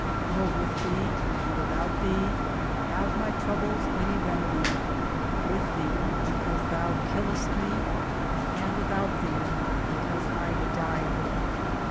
Nor with thee, nor without thee, Have my troubles any remedy ; With thee, because thou killest me. And without thee, because I die of it.